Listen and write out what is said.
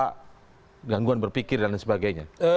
karena gangguan berpikir dan lain sebagainya